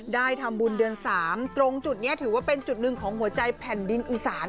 ได้ทำบุญเดือน๓ตรงจุดนี้ถือว่าเป็นจุดหนึ่งของหัวใจแผ่นดินอีสาน